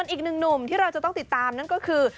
อีกหนึ่งหนุ่มที่เราจะต้องติดตามนั่นก็คือ